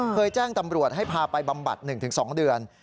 แจ้งตำรวจให้พาไปบำบัด๑๒เดือน